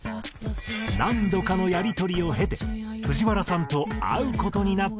何度かのやり取りを経て藤原さんと会う事になったという。